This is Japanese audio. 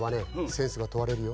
センスがとわれるよ。